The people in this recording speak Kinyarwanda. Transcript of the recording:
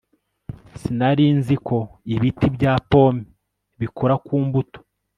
sinari nzi ko ibiti bya pome bikura ku mbuto